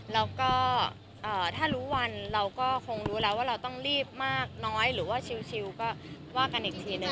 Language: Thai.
แล้วก็ถ้ารู้วันเราก็คงรู้แล้วว่าเราต้องรีบมากน้อยหรือว่าชิลก็ว่ากันอีกทีนึง